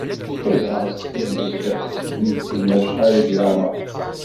Ayɣer i teskaddeb mi d-tenna acḥal deg leεmer-is?